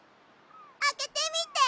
あけてみて！